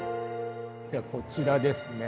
ではこちらですね。